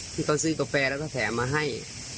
ที่เขาซื้อกาแฟแล้วก็แถมมาให้